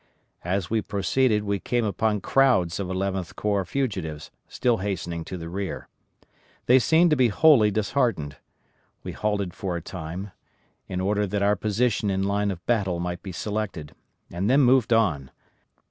As we proceeded we came upon crowds of Eleventh Corps fugitives still hastening to the rear. They seemed to be wholly disheartened. We halted for a time, in order that our position in line of battle might be selected, and then moved on.